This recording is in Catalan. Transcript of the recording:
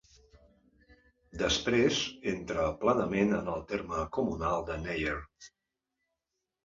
Després entra plenament en el terme comunal de Nyer.